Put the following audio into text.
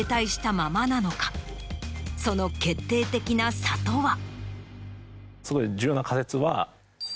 その決定的な差とは？